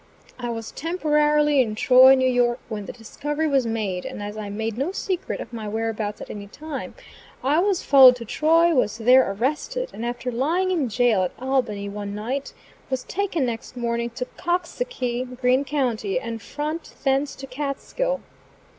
I was temporarily in Troy, N. Y., when the discovery was made, and as I made no secret of my whereabouts at any time, I was followed to Troy, was there arrested, and after lying in jail at Albany one night, was taken next morning to Coxsackie, Greene County, and front thence to Catskill.